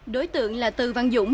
đối tượng là từ văn dũng